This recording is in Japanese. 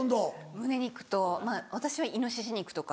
むね肉と私はイノシシ肉とか。